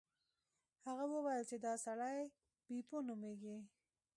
هغه وویل چې دا سړی بیپو نومیږي.